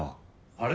あれ？